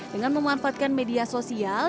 dengan memanfaatkan media sosial